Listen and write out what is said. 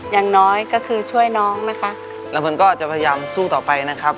อย่างน้อยก็คือช่วยน้องนะคะแล้วผมก็จะพยายามสู้ต่อไปนะครับ